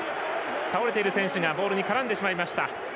倒れている選手がボールに絡んでしまいました。